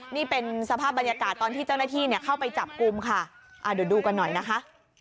นี่เป็นสภาพบรรยากาศตอนที่เจ้าหน้าที่เนี่ยเข้าไปจับกลุ่มค่ะเดี๋ยวดูกันหน่อยนะคะ